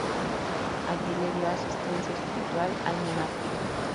Allí le dio asistencia espiritual al monarca.